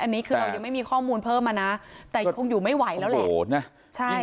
อันนี้คือเรายังไม่มีข้อมูลเพิ่มมานะแต่ยังคงอยู่ไม่ไหวแล้วแหละ